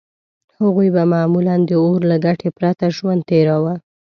هغوی به معمولاً د اور له ګټې پرته ژوند تېراوه.